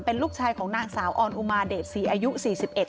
เป็นลูกชายของนางสาวออนอุมาเดชศรีอายุสี่สิบเอ็ด